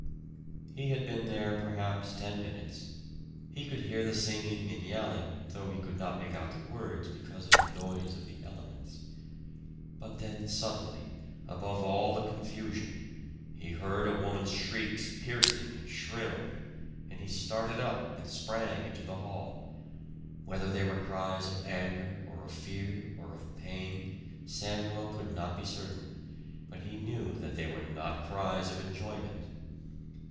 He had been there perhaps ten minutes. He could hear the singing and yelling, though he could not make out the words because of the noise of the elements. But then suddenly, above all the confusion, he heard a woman's shrieks piercing and shrill; and he started up and sprang into the hall. Whether they were cries of anger, or of fear, or of pain, Samuel could not be certain; but he knew that they were not cries of enjoyment.